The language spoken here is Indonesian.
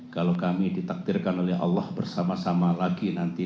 kalau kami ditakdirkan oleh allah bersama sama lagi nanti